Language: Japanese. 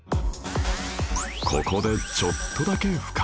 ここでちょっとだけ深掘り